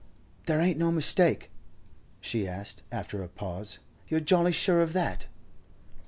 'There ain't no mistake?' she asked, after a pause. 'You're jolly sure of that?